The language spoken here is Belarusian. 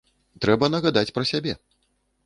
Трэба нагадаць пра сябе.